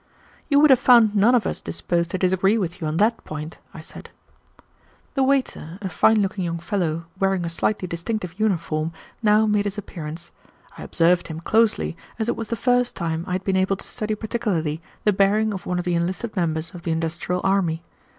"You would have found none of us disposed to disagree with you on that point," I said. The waiter, a fine looking young fellow, wearing a slightly distinctive uniform, now made his appearance. I observed him closely, as it was the first time I had been able to study particularly the bearing of one of the enlisted members of the industrial army.